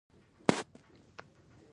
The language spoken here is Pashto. دریم د عمل کولو پنځه قوانین دي.